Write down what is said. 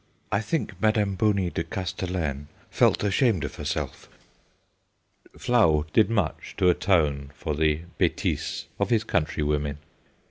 I think Madame Boni de Castellane felt ashamed of herself/ Flahault did much to atone for the b&tises of his countrywomen.